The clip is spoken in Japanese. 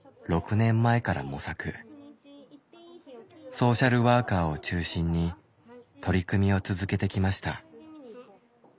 ソーシャルワーカーを中心に取り組みを続けてきました。